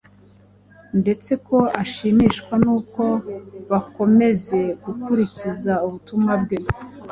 ndetse ko ashimishwa n'uko bakomeza gukurikiza ubutumwa bwe